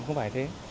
không phải thế